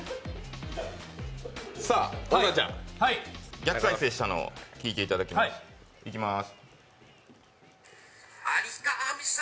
逆再生したのを聞いていただきますいきます。